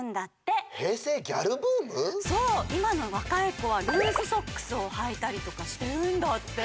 そういまのわかいこはルーズソックスをはいたりとかしてるんだって！